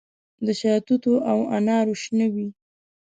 د شاتوتو او انارو شنه وي